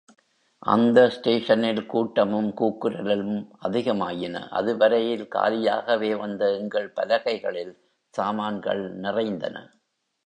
அந்த ஸ்டேஷனில் கூட்டமும், கூக்குரலும் அதிகமாயின அதுவரையில் காலியாகவே வந்த எங்கள் பலகைகளில் சாமான்கள் நிறைந்தன.